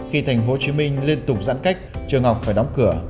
khi tp hcm liên tục giãn cách trường học phải đóng cửa